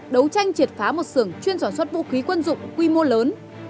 đấu tranh triệt phá một xưởng chuyên sản xuất vũ khí quân dụng quy mô lớn